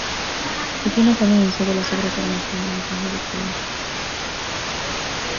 Vecinos han denunciado las obras organizando una asamblea popular.